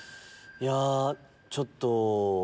いやちょっと。